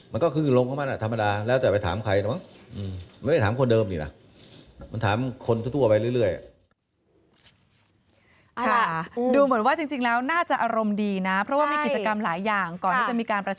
มันก็คือลมเข้ามาน่ะธรรมดาแล้วแต่ไปถามใครไม่ได้ถามคนเดิมนี่ล่ะ